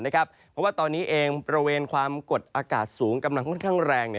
เพราะว่าตอนนี้เองบริเวณความกดอากาศสูงกำลังค่อนข้างแรง